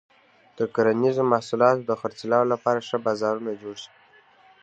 د کرنیزو محصولاتو د خرڅلاو لپاره ښه بازارونه جوړ شي.